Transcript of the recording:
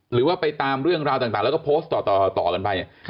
หรือว่าไปตามเรื่องราวต่างแล้วก็โพสต์ต่อกันไป